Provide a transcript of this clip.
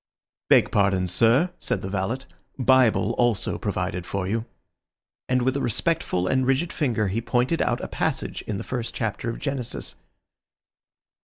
"Beg pardon, sir," said the valet, "Bible also provided for you," and with a respectful and rigid finger he pointed out a passage in the first chapter of Genesis.